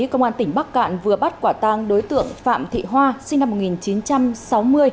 công an tỉnh bắc cạn vừa bắt quả tang đối tượng phạm thị hoa sinh năm một nghìn chín trăm sáu mươi